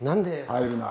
入るな。